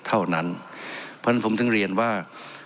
เท่านั้นเพราะฉะนั้นผมถึงเรียนว่า